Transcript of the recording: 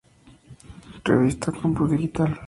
Revista Campus Digital.